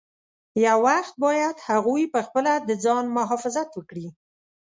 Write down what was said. یو وخت باید هغوی پخپله د ځان مخافظت وکړي.